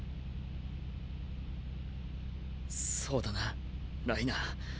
そうだなライナー。